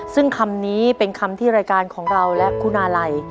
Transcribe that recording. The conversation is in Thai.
ซึ่งคำนี้เป็นคำที่รายการของเราและคุณอาลัย